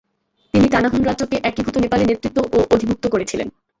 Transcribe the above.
তিনি তানাহুন রাজ্যকে একীভূত নেপালে নেতৃত্ব ও অধিভুক্ত করেছিলেন।